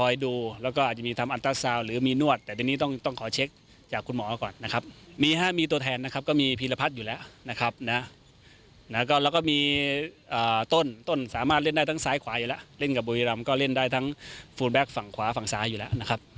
อยู่และนะครับนะฮะนะฮะแล้วเราก็มีอ่าต้นต้นสามารถเล่นได้ทั้งซ้ายขวาอยู่แล้ว